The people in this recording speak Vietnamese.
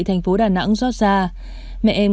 thành phố đà nẵng giót xa mẹ em